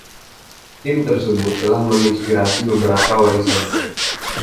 Tim tersebut telah menginspirasi beberapa warisan.